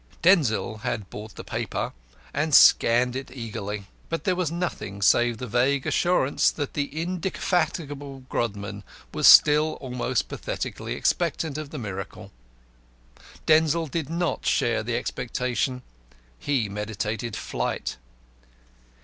Denzil had bought the paper and scanned it eagerly, but there was nothing save the vague assurance that the indefatigable Grodman was still almost pathetically expectant of the miracle. Denzil did not share the expectation; he meditated flight.